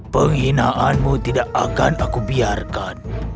penghinaanmu tidak akan aku biarkan